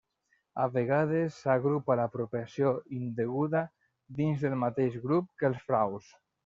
A vegades s'agrupa l'apropiació indeguda dins del mateix grup que els fraus.